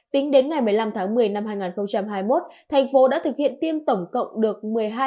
tính đến ngày một mươi năm tháng một mươi năm hai nghìn hai mươi một thành phố đã thực hiện tiêm tổng cộng được